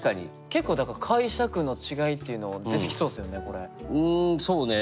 結構だから解釈の違いっていうの出てきそうですよねこれ。